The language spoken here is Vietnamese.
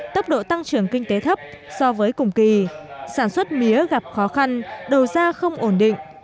tốc độ tăng trưởng kinh tế thấp so với cùng kỳ sản xuất mía gặp khó khăn đầu ra không ổn định